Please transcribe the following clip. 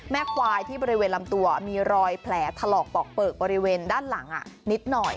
ควายที่บริเวณลำตัวมีรอยแผลถลอกปอกเปลือกบริเวณด้านหลังนิดหน่อย